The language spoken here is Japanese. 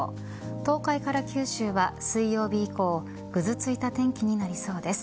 東海から九州は水曜日以降ぐずついた天気になりそうです。